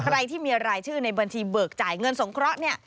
ใครที่มีรายชื่อในบัญชีเบิกจ่ายเงินสงเคราะห์เนี่ย